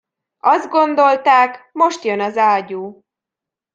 Azt gondolták: most jön az ágyú!